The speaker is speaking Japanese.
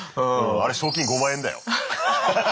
あれ賞金５万円だよ。